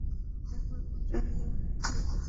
এখন ওরটা আমার কাছে গুরুত্বপূর্ণ।